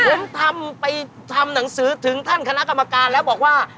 ผมทำไปทำหนังสือถึงท่านคณะกรรมการแล้วบอกว่า